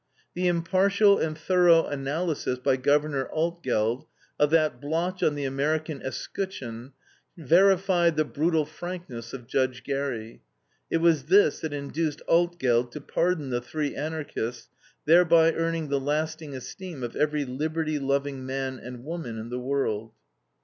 The impartial and thorough analysis by Governor Altgeld of that blotch on the American escutcheon verified the brutal frankness of Judge Gary. It was this that induced Altgeld to pardon the three Anarchists, thereby earning the lasting esteem of every liberty loving man and woman in the world.